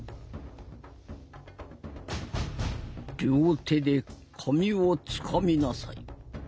両手で髪をつかみなさい。